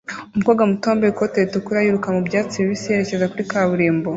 Umukobwa muto wambaye ikote ritukura yiruka mu byatsi bibisi yerekeza kuri kaburimbo